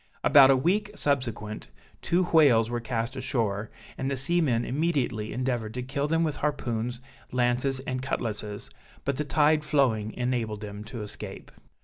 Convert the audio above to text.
About a week subsequent, two whales were cast ashore, and the seamen immediately endeavored to kill them with harpoons, lances, and cutlasses, but the tide flowing enabled them to escape.